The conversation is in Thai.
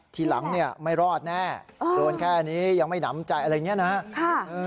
ทีหลังเนี่ยไม่รอดแน่โดนแค่นี้ยังไม่หนำใจอะไรอย่างนี้นะครับ